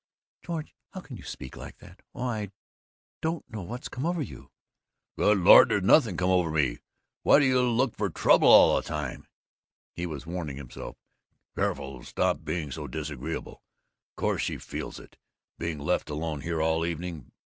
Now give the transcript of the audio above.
"George, how can you speak like Oh, I don't know what's come over you!" "Good Lord, there's nothing come over me! Why do you look for trouble all the time?" He was warning himself, "Careful! Stop being so disagreeable. Course she feels it, being left alone here all evening."